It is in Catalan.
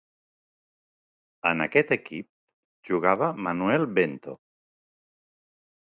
En aquest equip jugava Manuel Bento.